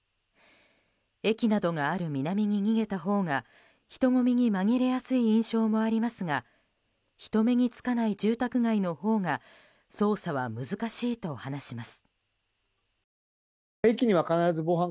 駅などがある南に逃げたほうが人混みに紛れやすい印象もありますが人目につかない住宅街のほうが捜査は難しいと話します。